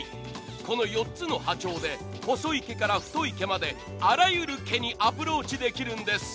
この４つの波長で細い毛から太い毛まであらゆる毛にアプローチできるんです。